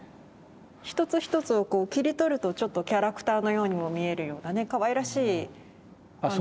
一つ一つを切り取るとちょっとキャラクターのようにも見えるようなねかわいらしい感じが。